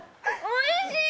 おいしい！